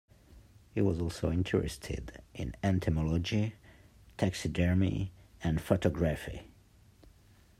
He was also interested in entomology, taxidermy, and photography.